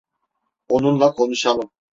Onunla konuşalım.